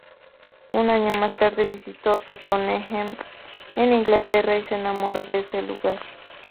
Un año más tarde, visitó Stonehenge en Inglaterra y se enamoró de ese lugar.